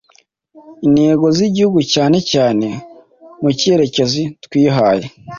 intego zigihugu cyane cyane mukerekezo twihaye